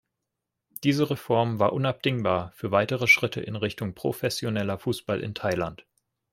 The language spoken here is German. Diese Reform war unabdingbar für weitere Schritte in Richtung professioneller Fußball in Thailand.